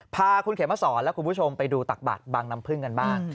พาคุณเขมสอนและคุณผู้ชมไปดูตักบาทบางน้ำพึ่งกันบ้าง